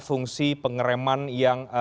fungsi pengereman yang